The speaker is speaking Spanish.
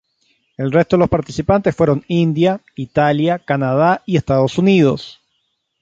El resto de los participantes fueron India, Italia, Canadá y Estados Unidos.